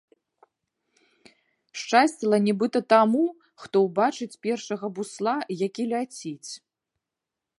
Шчасціла нібыта таму, хто ўбачыць першага бусла, які ляціць.